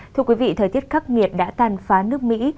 thưa quý vị thời tiết khắc nghiệt đã tàn phá nước mỹ